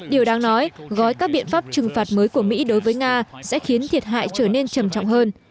điều đáng nói gói các biện pháp trừng phạt mới của mỹ đối với nga sẽ khiến thiệt hại trở nên trầm trọng hơn